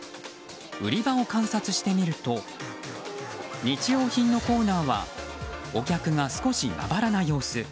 売り場を観察してみると日用品のコーナーはお客が少しまばらな様子。